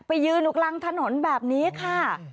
ไปยืนหลังถนนแบบนี้ค่ะ